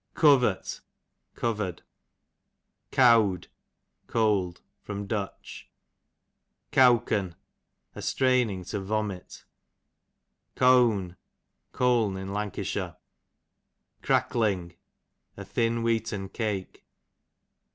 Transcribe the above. Covert, covered. Cowd, cold. Du. Cowken, a straining to vomit. Cown, Colne in Lancashire. Crackling, a thin wheaten cake.